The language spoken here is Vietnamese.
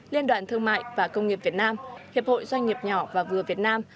liên đoàn thương mại và công nghiệp việt nam hiệp hội doanh nghiệp nhỏ và vừa việt nam